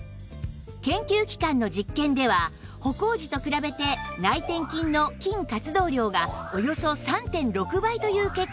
研究機関の実験では歩行時と比べて内転筋の筋活動量がおよそ ３．６ 倍という結果も